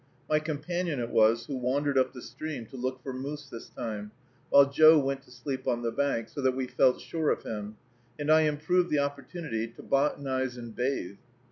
My companion it was who wandered up the stream to look for moose this time, while Joe went to sleep on the bank, so that we felt sure of him; and I improved the opportunity to botanize and bathe.